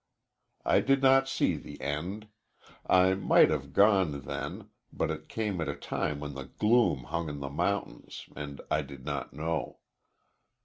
I did not see the end. I might have gone, then, but it came at a time when the gloom hung on the mountains and I did not know.